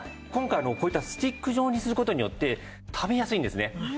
今回こういったスティック状にする事によって食べやすいんですね。